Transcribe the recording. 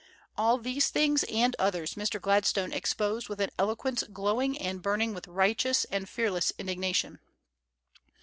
All these things and others Mr. Gladstone exposed with an eloquence glowing and burning with righteous and fearless indignation.